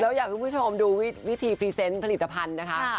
แล้วอยากคุณผู้ชมดูวิธีพรีเซนต์ผลิตภัณฑ์นะคะ